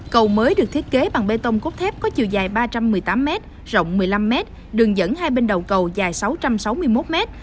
cầu mới được thiết kế bằng bê tông cốt thép có chiều dài ba trăm một mươi tám m rộng một mươi năm mét đường dẫn hai bên đầu cầu dài sáu trăm sáu mươi một m